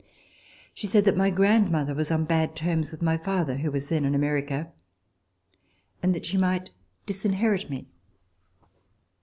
She said that my grandmother was on bad terms with my father, who was then in America, and that she might disinherit me.